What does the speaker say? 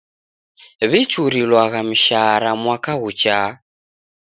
W'ichurilwagha mishara mwaka ghuchaa.